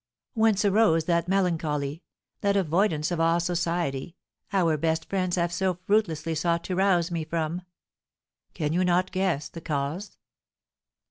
Whence arose that melancholy, that avoidance of all society, our best friends have so fruitlessly sought to rouse me from? Can you not guess the cause?